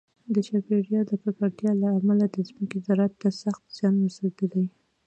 د چاپیریال د ککړتیا له امله د ځمکې زراعت ته سخت زیان رسېدلی.